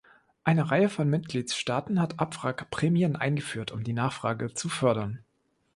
Eine Reihe von Mitgliedstaaten hat Abwrackprämien eingeführt, um die Nachfrage zu fördern.